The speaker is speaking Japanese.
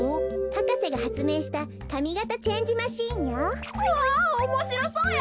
博士がはつめいしたかみがたチェンジマシンよ。わおもしろそうやな！